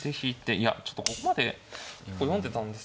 いやちょっとここまで読んでたんですけど。